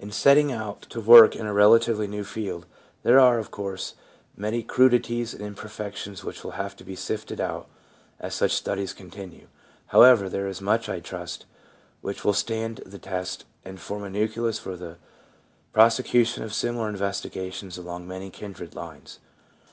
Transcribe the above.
In setting out to work in a relatively new field, there are, of course, many crudities and imperfections, which will have to be sifted out as such studies continue. However, there is much, I trust, which will stand the test, and form a nucleus for the prosecution of similar investigations along many kindred lines.